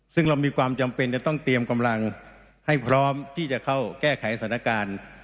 ซึ่งเรามีความจำเป็นจะต้องเตรียมกำลังให้พร้อมที่จะเข้าแก้ไขสถานการณ์